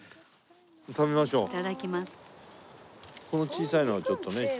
この小さいのはちょっとね。